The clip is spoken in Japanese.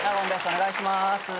お願いします。